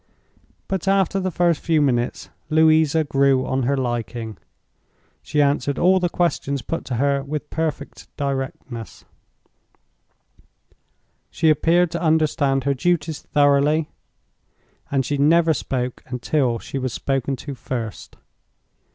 But after the first few minutes, "Louisa" grew on her liking. She answered all the questions put to her with perfect directness; she appeared to understand her duties thoroughly; and she never spoke until she was spoken to first.